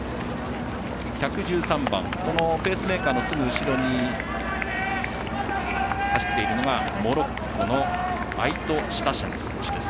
１１３番、ペースメーカーのすぐ後ろに走っているのがモロッコのアイト・シタシェン選手です。